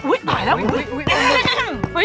อุ้ยตายแล้ว